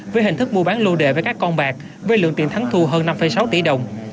với hình thức mua bán lô đề với các con bạc với lượng tiền thắng thu hơn năm sáu tỷ đồng